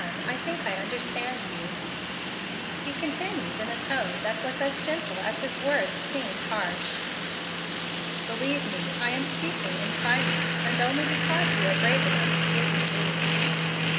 I think I understand you." He continued in a tone that was as gentle as his words seemed harsh. "Believe me, I am speaking in kindness, and only because you are brave enough to give me leave.